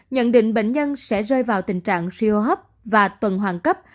nhận định bệnh nhân sẽ rơi vào tình trạng siêu hấp và tuần hoàn cấp